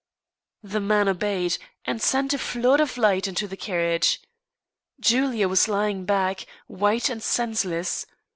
The man obeyed, and sent a flood of light into the carriage. Julia was lying back, white and senseless.